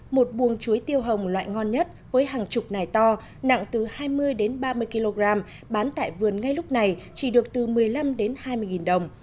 một buồng chuối tiêu hồng loại ngon nhất với hàng chục nải to nặng từ hai mươi đến ba mươi kg bán tại vườn ngay lúc này chỉ được từ một mươi năm hai mươi đồng